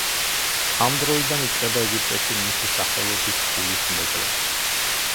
ამ დროიდან იწყება ეგვიპტეში მისი სახელობის ფულის მოჭრაც.